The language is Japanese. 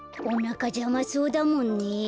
おなかじゃまそうだもんね。